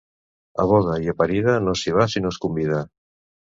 A boda i a parida, no s'hi va si no es convida.